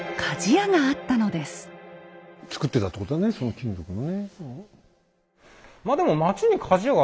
作ってたってことだねその金属のね。